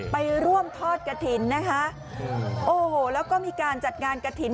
ไปร่วมทอดกระถิ่นนะคะโอ้โหแล้วก็มีการจัดงานกระถิ่น